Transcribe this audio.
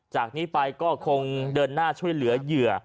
จากนี้ไปก็คงเดินหน้าช่วยเหลือเหยื่อ